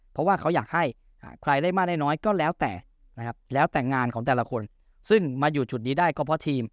เพราะว่าเขาอยากให้ใครได้มากได้น้อยก็แล้วแต่นะครับแล้วแต่งานของแต่ละคนซึ่งมาอยู่จุดนี้ได้ก็เพราะทีม